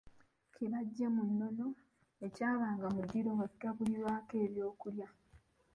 Kibajje mu nnono ekyabanga mu ddiiro nga kigabulirwako ebyokulya.